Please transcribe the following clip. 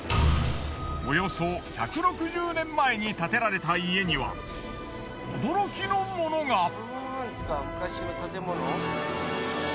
およそ１６０年前に建てられた家には驚きのものが！